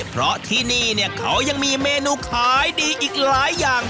เพราะที่นี่เนี่ยเขายังมีเมนูขายดีอีกหลายอย่าง